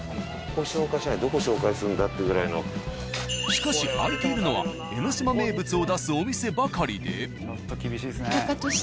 しかし開いているのは江の島名物を出すお店ばかりで。